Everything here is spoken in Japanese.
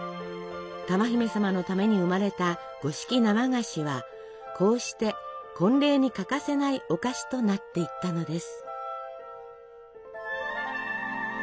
珠姫様のために生まれた五色生菓子はこうして婚礼に欠かせないお菓子となっていったのです。